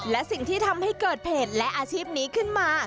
และสิ่งที่ทำให้เกิดเพจและอาชีพนี้ขึ้นมา